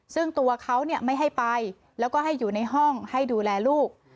ซึ่งตัวเขาไม่ให้ไปแล้วก็ให้อยู่ในห้องให้ดูแลลูก